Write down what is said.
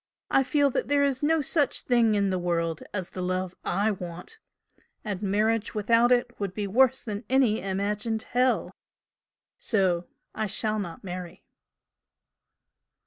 I feel that there is no such thing in the world as the love I want and marriage without it would be worse than any imagined hell. So I shall not marry."